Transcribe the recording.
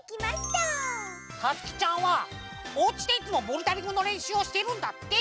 たつきちゃんはおうちでいつもボルダリングのれんしゅうをしているんだって！